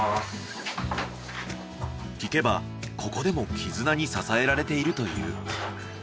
聞けばここでもキズナに支えられているという。